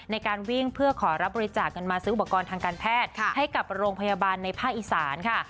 ในการวิ่งเพื่อขอรับบริจาคเงินมาซื้ออุปกรณ์ทางการแพทย์ให้กับโรงพยาบาลในภาคอีสานค่ะ